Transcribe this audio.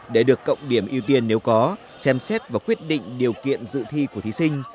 để được cộng điểm ưu tiên nếu có xem xét và quyết định điều kiện dự thi của thí sinh